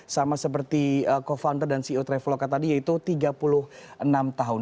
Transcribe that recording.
sama seperti co founder dan ceo traveloka tadi yaitu tiga puluh enam tahun